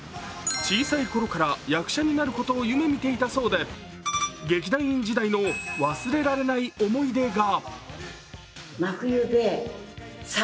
小さいころから役者になることを夢見ていたそうで劇団員時代の忘れられない思い出が。